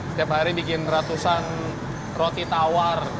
setiap hari bikin ratusan roti tawar